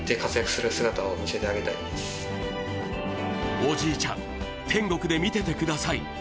おじいちゃん、天国で見ててください。